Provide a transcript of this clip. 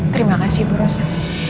terima kasih bu rosa